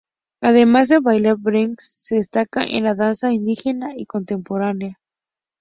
Además de bailar break-Alex se destaca en la danza indígena y contemporánea.